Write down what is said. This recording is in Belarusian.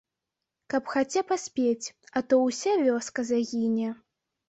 Каб хаця паспець, а то ўся вёска загіне.